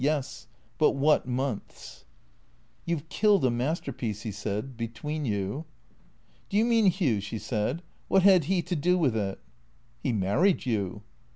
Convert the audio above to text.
Yes. But what months !"" You 've killed a masterpiece," he said, " between you." " Do you mean Hugh ?" she said. " What had he to do with it?" " He married you."